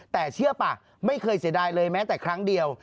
แต่เชื่อป่ะไม่เคยเสียดายเลยแม้แต่ครั้งเดียว